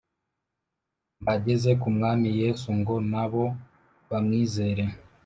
Mbageze ku Mwami Yesu, Ngo na bo bamwizere.